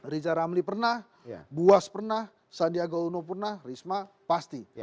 riza ramli pernah buas pernah sandiaga uno pernah risma pasti